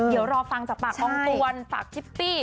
เดี๋ยวรอฟังจากปากอองตวนปากชิปปี้